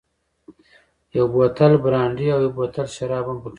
یو بوتل برانډي او یو بوتل شراب هم پکې شته.